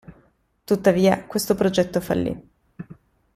Tuttavia, questo progetto fallì.